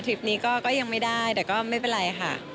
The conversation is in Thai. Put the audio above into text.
คลิปนี้ก็ยังไม่ได้แต่ก็ไม่เป็นไรค่ะ